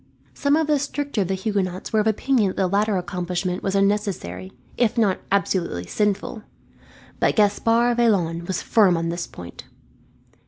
Some of the stricter of the Huguenots were of opinion that the latter accomplishment was unnecessary, if not absolutely sinful; but Gaspard Vaillant was firm on this point.